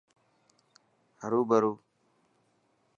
هرو برو.